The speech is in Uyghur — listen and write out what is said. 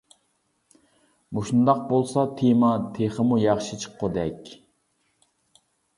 مۇشۇنداق بولسا تېما تېخىمۇ ياخشى چىققۇدەك.